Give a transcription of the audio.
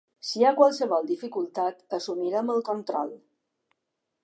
Si hi ha qualsevol dificultat, assumirem el control.